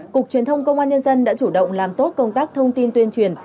cục truyền thông công an nhân dân đã chủ động làm tốt công tác thông tin tuyên truyền